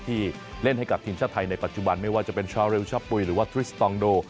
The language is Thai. ที่เล่นให้กับทีมชาติไทยในปัจจุบันไม่ว่าจะเป็นชาวริวชะปุ๋ยหรือว่าทริสตองโด